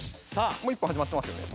もう１分始まってますよね？